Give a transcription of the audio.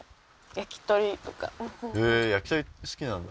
焼き鳥好きなんだ。